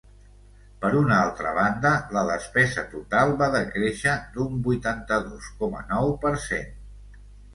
Per una altra banda, la despesa total va decréixer d’un vuitanta-dos coma nou per cent.